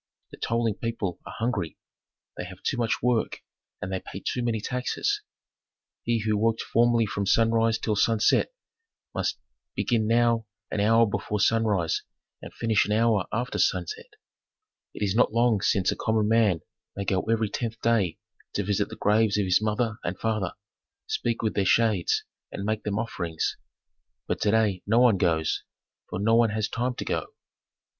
The toiling people are hungry; they have too much work, and they pay too many taxes. He who worked formerly from sunrise till sunset must begin now an hour before sunrise and finish an hour after sunset. It is not long since a common man might go every tenth day to visit the graves of his mother and father, speak with their shades, and make them offerings. But to day no one goes, for no one has time to go.